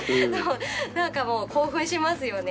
何かもう興奮しますよね。